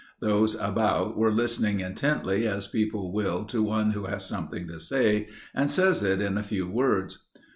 Those about were listening intently as people will to one who has something to say and says it in a few words.